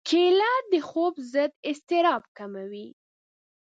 کېله د خوب ضد اضطراب کموي.